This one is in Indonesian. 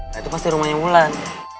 nah itu pasti rumahnya bulan